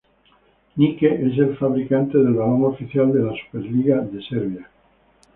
Nike es el fabricante del balón oficial de la Superliga de Serbia.